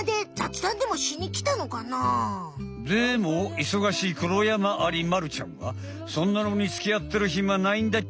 でもいそがしいクロヤマアリまるちゃんはそんなのにつきあってるひまないんだっち！